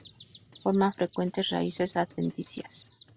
Forma frecuentes raíces adventicias.